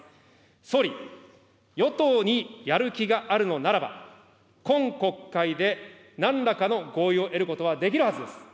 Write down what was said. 総理、与党にやる気があるのならば、今国会でなんらかの合意を得ることはできるはずです。